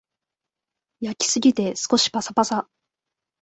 焼きすぎて少しパサパサ